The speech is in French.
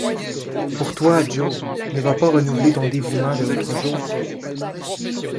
Pour toi, Joe, ne va pas renouveler ton dévouement de l’autre jour!